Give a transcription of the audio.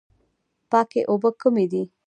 پاکې اوبه کومې دي؟